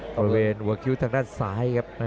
ประเวนเวอร์คิวทางด้านซ้ายครับ